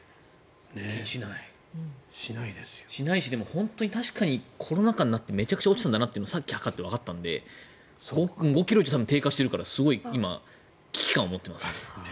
しないし、本当に確かにコロナ禍になってめちゃくちゃ落ちたんだなとさっき測ってわかったので５ｋｇ以上低下しているから今、危機感を持っています。